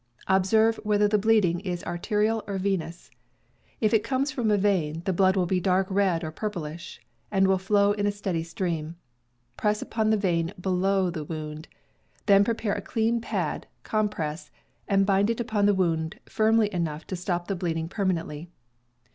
Observe whether the bleeding is arterial or venous. If it comes from a vein, the blood will be dark red or purplish, and will flow in a steady stream. Press upon the vein below the wound; then prepare a clean pad (compress) and bind it upon the wound firmly enough to stop the bleeding permanently.